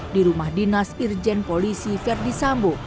di rumah dinas irjen polisi verdi sambo